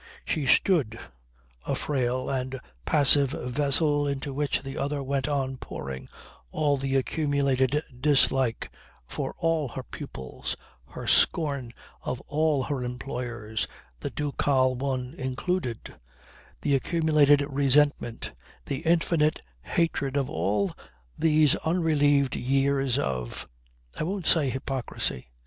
She stood, a frail and passive vessel into which the other went on pouring all the accumulated dislike for all her pupils, her scorn of all her employers (the ducal one included), the accumulated resentment, the infinite hatred of all these unrelieved years of I won't say hypocrisy.